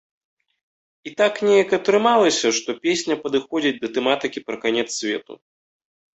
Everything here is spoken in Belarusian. І так неяк атрымалася, што песня падыходзіць да тэматыкі пра канец свету.